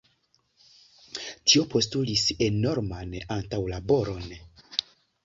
Tio postulis enorman antaŭlaboron.